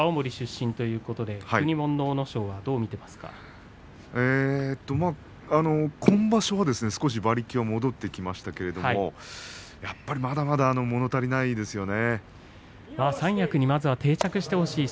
同じ青森出身ということで国もんの阿武咲は今場所は少し馬力が戻ってきましたけれどもやっぱりまだまだもの足りないですよね。